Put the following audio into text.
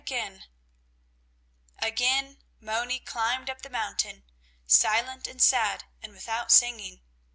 Again Moni climbed up the mountain, silent and sad and without singing.